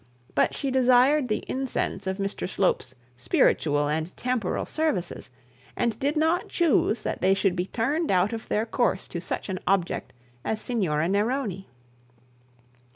But she desired the incense of Mr Slope's spiritual and temporal services, and did not choose that they should be turned out of their course to such an object as Signora Neroni.